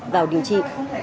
vào điều trị